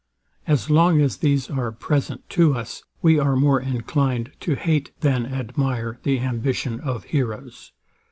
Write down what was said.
As long as these are present to us, we are more inclined to hate than admire the ambition of heroes.